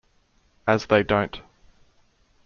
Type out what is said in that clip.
as they don't.